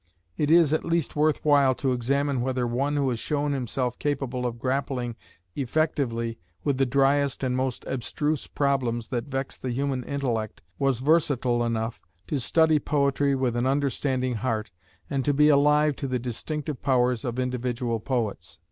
It is at least worth while to examine whether one who has shown himself capable of grappling effectively with the driest and most abstruse problems that vex the human intellect was versatile enough to study poetry with an understanding heart, and to be alive to the distinctive powers of individual poets.